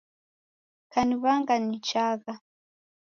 Kaniw'anga nichagha